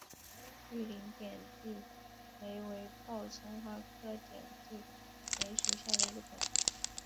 绿棱点地梅为报春花科点地梅属下的一个种。